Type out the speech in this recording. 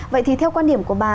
vậy thì theo quan điểm của bà